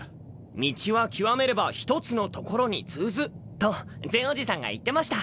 「道は究めれば一つの所に通ず」とゼンおじさんが言ってました。